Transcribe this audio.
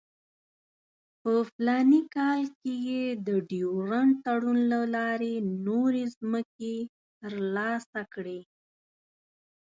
په فلاني کال کې یې د ډیورنډ تړون له لارې نورې مځکې ترلاسه کړې.